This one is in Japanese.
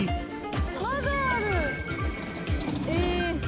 まだある！